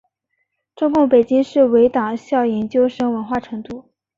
中共北京市委党校研究生文化程度。